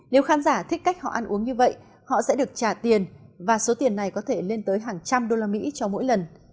nếu khán giả thích cách họ ăn uống như vậy họ sẽ được trả tiền và số tiền này có thể lên tới hàng trăm usd cho mỗi lần